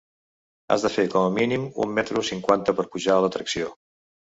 Has de fer com a mínim un metre cinquanta per pujar a l'atracció.